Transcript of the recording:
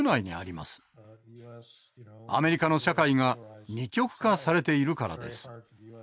アメリカの社会が二極化されているからです。